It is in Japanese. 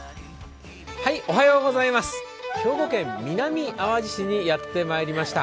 兵庫県南あわじ市にやってまいりました。